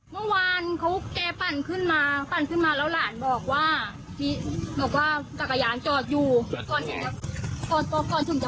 แต่แบบคนเมาแล้วพี่มันก็หลับแบบนี้หนูว่าแบบแกคงจะฟื้นตัวอะไรเงี้ย